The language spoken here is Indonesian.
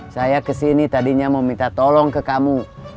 saya ke sini tadinya mau minta tolong ke kamu